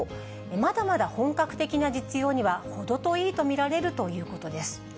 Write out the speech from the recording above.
まだまだ本格的な実用には程遠いと見られるということです。